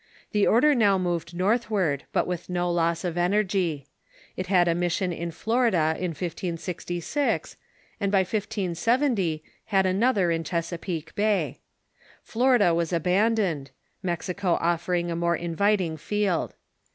The order now moved northward, but with no loss of energy. It had a mission in Florida in 1566, and by 1570 had another on Chesa peake Bay. Florida was abandoned, Mexico offering a more inviting field.